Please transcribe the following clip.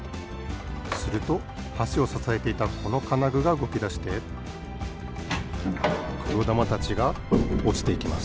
するとはしをささえていたこのかなぐがうごきだしてくろだまたちがおちていきます。